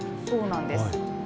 そうなんです。